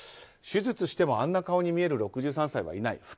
手術してもあんな顔に見える６３歳はいない。